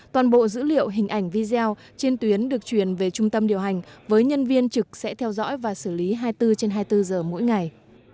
toàn bộ dữ liệu hình ảnh video trên tuyến được truyền về trung tâm điều hành với nhân viên trực sẽ theo dõi và xử lý hai mươi bốn trên hai mươi bốn giờ mỗi ngày